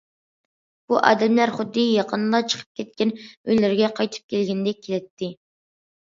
بۇ ئادەملەر خۇددى يېقىندىلا چىقىپ كەتكەن ئۆيلىرىگە قايتىپ كەلگەندەك كېلەتتى.